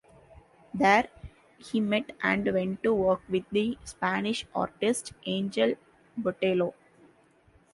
There he met and went to work with the Spanish artist, Angel Botello.